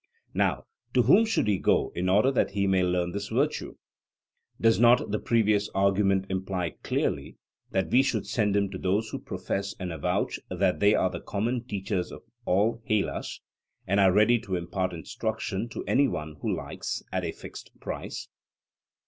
Now, to whom should he go in order that he may learn this virtue? Does not the previous argument imply clearly that we should send him to those who profess and avouch that they are the common teachers of all Hellas, and are ready to impart instruction to any one who likes, at a fixed price?